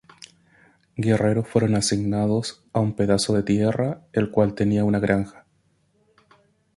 Guerreros fueron asignados a un pedazo de tierra el cual tenía una granja.